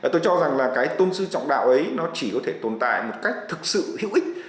tôi cho rằng là cái tôn sư trọng đạo ấy nó chỉ có thể tồn tại một cách thực sự hữu ích